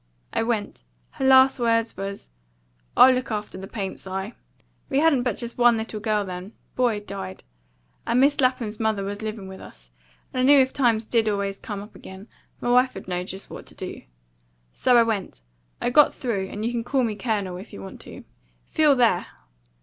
I went. Her last words was, 'I'll look after the paint, Si.' We hadn't but just one little girl then, boy'd died, and Mis' Lapham's mother was livin' with us; and I knew if times DID anyways come up again, m'wife'd know just what to do. So I went. I got through; and you can call me Colonel, if you want to. Feel there!"